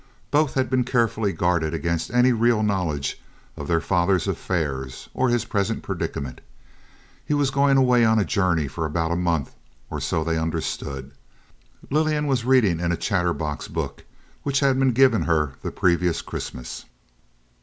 Both had been carefully guarded against any real knowledge of their father's affairs or his present predicament. He was going away on a journey for about a month or so they understood. Lillian was reading in a Chatterbox book which had been given her the previous Christmas.